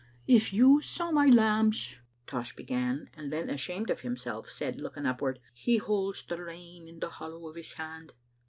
"If you saw my lambs," Tosh began; and then, ashamed of himself, said, looking upward, " He holds the rain in the hollow of His hand."